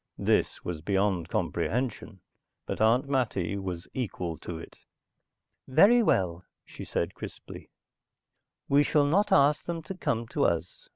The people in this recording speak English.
This was beyond comprehension. But Aunt Mattie was equal to it. "Very well," she said crisply. "We shall not ask them to come to us.